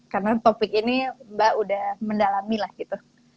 karena topik ini mbak sudah mendalami lah gitu